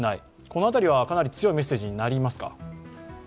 この辺りはかなり強いメッセージになりますか？